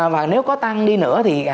và nếu có tăng đi nữa thì